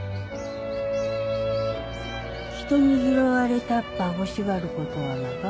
人に拾われたっば欲しがることはなか。